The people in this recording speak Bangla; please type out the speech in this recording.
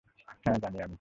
হ্যা, জানি আমি।